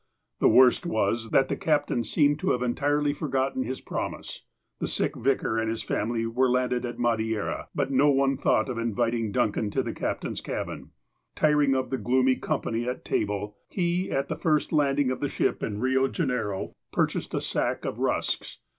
The worst was, that the captain seemed to have en tirely forgotten his promise. The sick vicar and his family were landed at Madeira, but no one thought of inviting Duncan to the caj)tain's cabin. Tiring of the gloomy comj)auy at table, he, at the first landing of the ship in Eio Janeiro, purchased a sack of rusks.